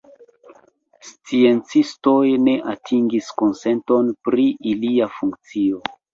Sciencistoj ne atingis konsenton pri ilia funkcio.